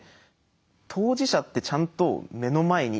当事者ってちゃんと目の前にいるんだよ。